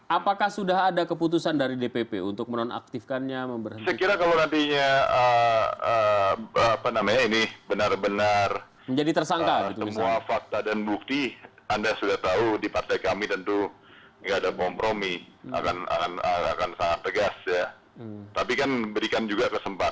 apakah sudah ada keputusan dari dpp untuk menonaktifkannya